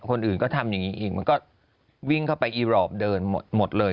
คนอื่นก็ทำอย่างนี้อีกมันก็วิ่งเข้าไปอีรอปเดินหมดเลย